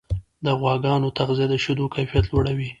د غواګانو تغذیه د شیدو کیفیت لوړوي.